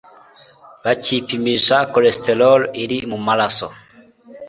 Bakipimisha cholesterol iri mu maraso,